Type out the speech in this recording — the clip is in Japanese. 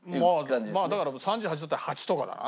まあだから３８だったら８とかだな。